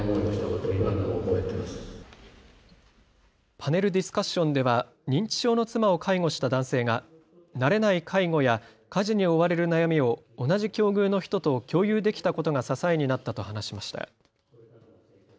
パネルディスカッションでは認知症の妻を介護した男性が慣れない介護や家事に追われる悩みを同じ境遇の人と共有できたことが支えになったと話しました。